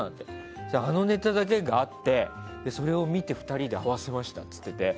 そうしたらあのネタだけがあってそれを見て、２人で合わせましたって言ってて。